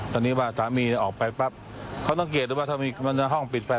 ตอนนี้ว่าสามีออกไปปั๊บเขาต้องเกลียดว่าถ้ามีมันในห้องปิดไป